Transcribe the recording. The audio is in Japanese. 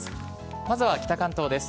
まずは北関東です。